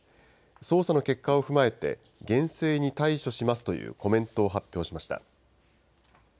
捜査の結果を踏まえて厳正に対処しますというコメントを発表しました。